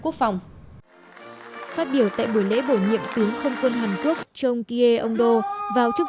quốc phòng phát biểu tại buổi lễ bổ nhiệm tướng không quân hàn quốc chung ki hye ông đô vào chức